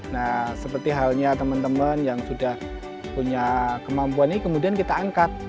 nah seperti halnya teman teman yang sudah punya kemampuan ini kemudian kita angkat